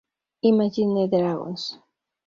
Imagine Dragons